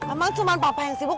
emang cuma papa yang sibuk